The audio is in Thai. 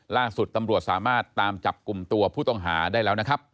ล่าสุดตำรวจสามารถตามจับกลุ่มตัวผู้ต้องหาได้แล้วนะครับ